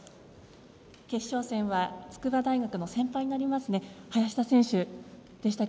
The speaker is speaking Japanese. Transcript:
決勝戦は筑波大学の先輩になりましたね。